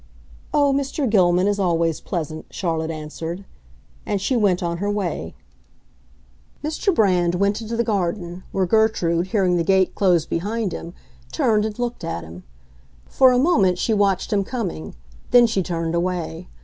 "Oh, Mr. Gilman is always pleasant," Charlotte answered. And she went on her way. Mr. Brand went into the garden, where Gertrude, hearing the gate close behind him, turned and looked at him. For a moment she watched him coming; then she turned away.